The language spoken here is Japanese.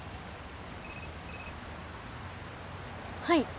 はい。